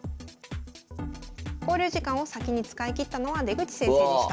考慮時間を先に使い切ったのは出口先生でした。